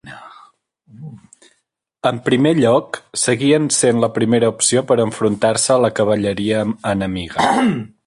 En primer lloc, seguien sent la primera opció per enfrontar-se a la cavalleria enemiga.